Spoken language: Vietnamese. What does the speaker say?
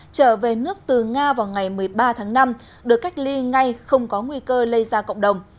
trở về nước từ nga vào ngày một mươi ba tháng năm được cách ly ngay không có nguy cơ lây ra cộng đồng